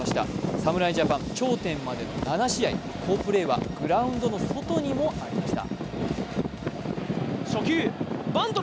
侍ジャパン頂点までの７試合、好プレーはグラウンドの外にもありました。